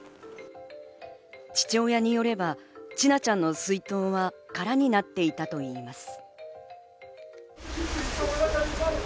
父親によれば、千奈ちゃんの水筒は空になっていたといいます。